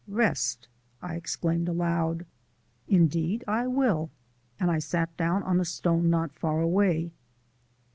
"Rest!" I exclaimed aloud. "Indeed I will," and I sat down on a stone not far away.